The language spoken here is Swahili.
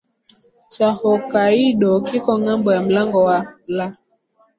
cha Hokkaido kiko ngambo ya mlango wa La